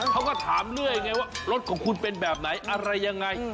เขาก็ถามเรื่อยไงว่ารถของคุณเป็นแบบไหนอะไรยังไง